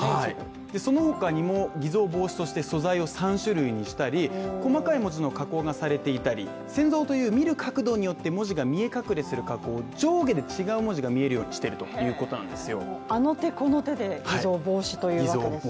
その他にも、偽造防止として素材を３種類にしたり、細かい文字の加工がされていたり見る角度によって文字が見え隠れする加工上下で違う文字が見えるようにしているということなんですよ